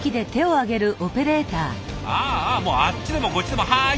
ああもうあっちでもこっちでもはい！